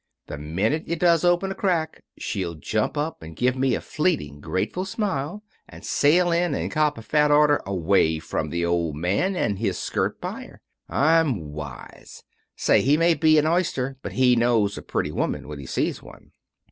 The minute it does open a crack she'll jump up and give me a fleeting, grateful smile, and sail in and cop a fat order away from the old man and his skirt buyer. I'm wise. Say, he may be an oyster, but he knows a pretty woman when he sees one.